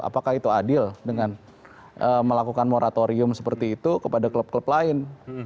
apakah itu adil dengan melakukan moratorium seperti itu kepada klub klub lain